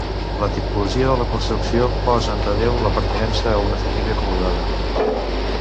La tipologia de la construcció posa en relleu la pertinença a una família acomodada.